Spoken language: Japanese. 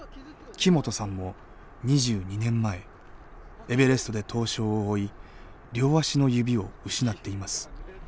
木本さんも２２年前エベレストで凍傷を負い両足の指を失っています。